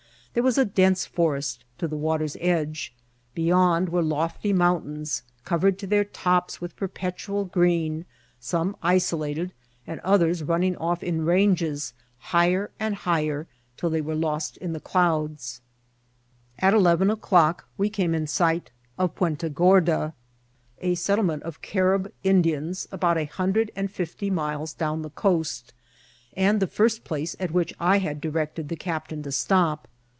There was a densa ficNTest to the water's edge. Beyond were lofty mount* ains, covered to their tops with perpetual green, soma isolated, and others running off in ranges, higher and higher, till they were lost in the clouds* At eleven o'clock we came in sight of Puenta Gor* da, a settlement of Carib Indians, about a hundred and fifty miles down the coast, and the first place at which I had directed the captain to stop.